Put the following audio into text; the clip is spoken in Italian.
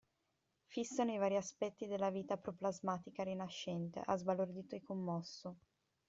Fissano i vari aspetti della vita proplasmica rinascente ha sbalordito e commosso.